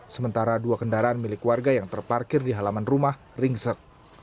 sementara dua kendaraan milik warga yang terparkir di halaman rumah ringsek